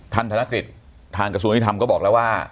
ท่านธนกฤษทางกระทรวงธนิยธรรมก็บอกแล้วว่า